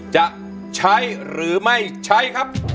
จะใช้หรือไม่ใช้ครับ